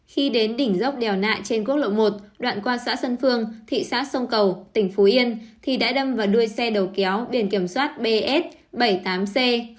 khi đến đỉnh dốc đèo nại trên quốc lộ một đoạn qua xã xuân phương thị xã sông cầu tỉnh phú yên thì đã đâm vào đuôi xe đầu kéo biển kiểm soát bs bảy mươi tám c năm nghìn một trăm ba mươi